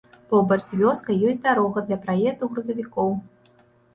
Побач з вёскай ёсць дарога для праезду грузавікоў.